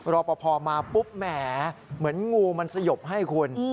รอปภมาปุ๊บแหมเหมือนงูมันสยบให้คุณ